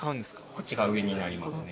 こっちが上になりますね。